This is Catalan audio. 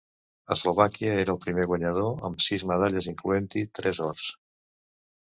Eslovàquia era el primer guanyador amb sis medalles, incloent-hi tres ors.